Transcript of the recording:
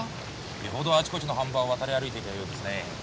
よほどあちこちの飯場を渡り歩いていたようですね。